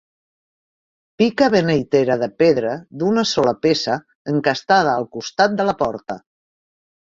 Pica beneitera de pedra d'una sola peça encastada al costat de la porta.